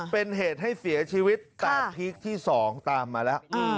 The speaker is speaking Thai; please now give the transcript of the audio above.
เป็นเหตุให้เสียชีวิตแต่พีคที่๒ตามมาแล้ว